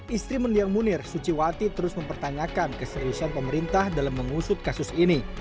istri mendiang munir suciwati terus mempertanyakan keseriusan pemerintah dalam mengusut kasus ini